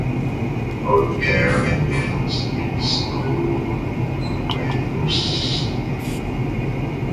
Cut hair and nails may be stowed away for safety.